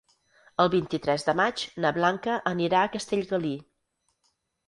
El vint-i-tres de maig na Blanca anirà a Castellgalí.